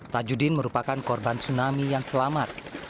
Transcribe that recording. tajudin merupakan korban tsunami yang selamat